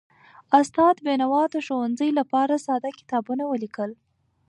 استاد بینوا د ښوونځیو لپاره ساده کتابونه ولیکل.